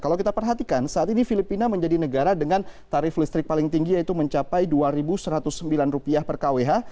kalau kita perhatikan saat ini filipina menjadi negara dengan tarif listrik paling tinggi yaitu mencapai rp dua satu ratus sembilan per kwh